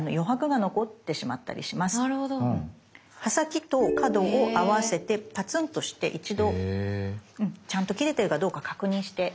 刃先と角を合わせてパツンとして一度ちゃんと切れてるかどうか確認して下さい。